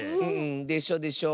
でしょでしょ。